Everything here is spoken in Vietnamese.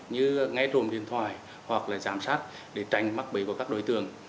như nghe trộm điện thoại hoặc là giám sát để tránh mắc bấy của các đối tượng